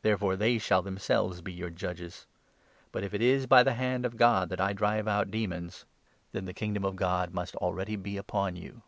Therefore they shall themselves be your judges. But, if 20 it is by the hand of God that I drive out demons, then the 182 LUKE, H. Kingdom of God must already be upon you.